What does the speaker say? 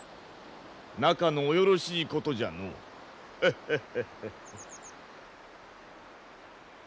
仲のおよろしいことじゃのハハハハ。